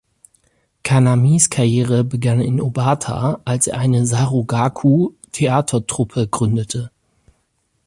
Kan’ami's Karriere begann in Obata, als er eine Sarugaku-Theatertruppe gründete.